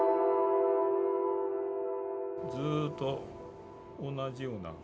ずっと同じような。